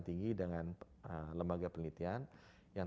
tinggi dengan lembaga penelitian yang